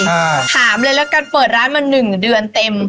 อ่าถามเลยแล้วกันเปิดร้านมาหนึ่งเดือนเต็ม